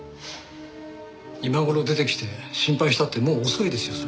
今頃出てきて心配したってもう遅いですよそれ。